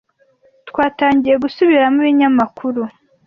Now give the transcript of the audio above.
Twatangiye gusubiramo ibinyamakuru.